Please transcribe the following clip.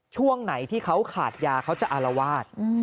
ช่วงไหนที่เขาขาดยาเขาจะอารวาส